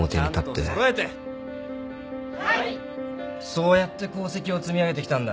そうやって功績を積み上げてきたんだ。